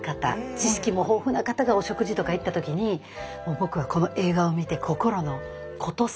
知識も豊富な方がお食事とか行った時に「僕はこの映画を見て心のコトセンに」とか。